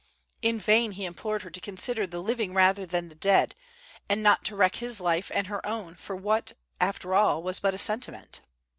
In vain he implored her to consider the living rather than the dead, and not to wreck his life and her own for what, after all, was but a sentiment.